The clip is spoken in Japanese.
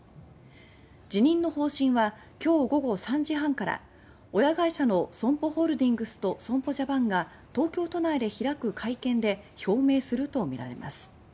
辞任の方針は今日午後３時半から親会社のＳＯＭＰＯホールディングスと損保ジャパンが東京都内で開く会見で表明するとみられます。